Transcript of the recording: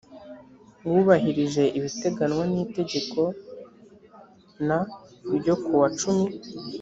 wubahirije ibiteganwa n itegeko n ryo kuwa cumi